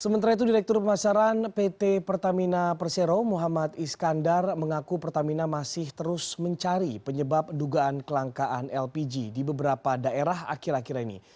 sementara itu direktur pemasaran pt pertamina persero muhammad iskandar mengaku pertamina masih terus mencari penyebab dugaan kelangkaan lpg di beberapa daerah akhir akhir ini